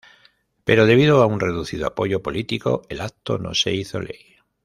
Pero debido a un reducido apoyo político, el acto no se hizo ley.